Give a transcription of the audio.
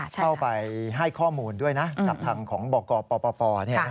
เข้าไปให้ข้อมูลด้วยนะจับถังของบอกกรป่อนี่